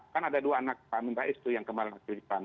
kan ada dua anak pak amin rais yang kemarin masuk ke pan